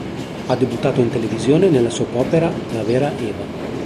Ha debuttato in televisione nella soap opera "La vera Eva".